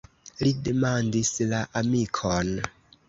Li demandis la amikon.